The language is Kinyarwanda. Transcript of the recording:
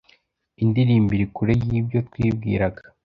Indirimbo iri kure yibyo twibwiraga